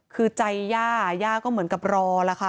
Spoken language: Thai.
คือใจย่าย่าก็เหมือนกับรอล่ะค่ะ